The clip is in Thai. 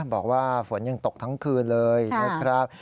บอกว่าฝนยังตกทั้งคืนเลยนะครับ